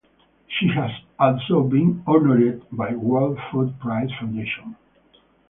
She has also been honored by World Food Prize Foundation.